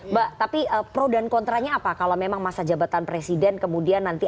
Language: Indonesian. mbak tapi pro dan kontranya apa kalau memang masa jabatan presiden kemudian nanti